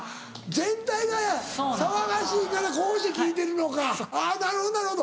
全体が騒がしいからこうして聴いてるのかなるほどなるほど。